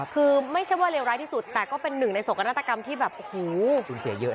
คือไม่ใช่ว่าเลวร้ายที่สุดแต่ก็เป็นหนึ่งในโสกนาฏกรรมที่แบบโอ้โฮ